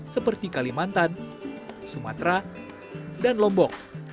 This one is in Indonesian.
seperti kalimantan sumatera dan lombok